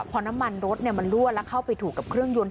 พอน้ำมันรถมันรั่วแล้วเข้าไปถูกกับเครื่องยนต